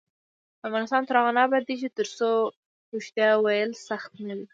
افغانستان تر هغو نه ابادیږي، ترڅو ریښتیا ویل سخت نه وي.